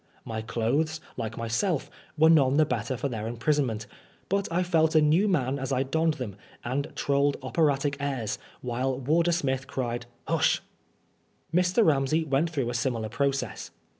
My clothes, like myself, were none the better for their imprisonment ; but I felt a new man as I donned them, and trolled operatic airs, while warder Smith cried," Hush r Mr. Ramsey went through a similar process.